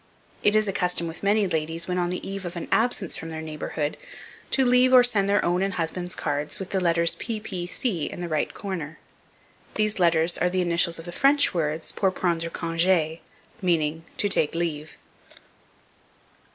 It is a custom with many ladies, when on the eve of an absence from their neighbourhood, to leave or send their own and husband's cards, with the letters P. P. C. in the right hand corner. These letters are the initials of the French words, "Pour prendre congé," meaning, "To take leave."